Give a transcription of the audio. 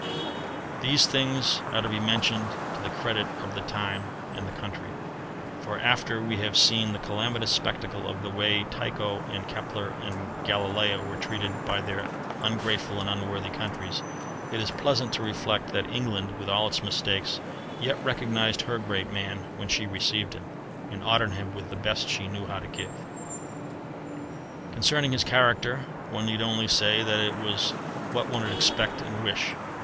These things are to be mentioned to the credit of the time and the country; for after we have seen the calamitous spectacle of the way Tycho and Kepler and Galileo were treated by their ungrateful and unworthy countries, it is pleasant to reflect that England, with all its mistakes, yet recognized her great man when she received him, and honoured him with the best she knew how to give. [Illustration: FIG. 69. Sir Isaac Newton.] Concerning his character, one need only say that it was what one would expect and wish.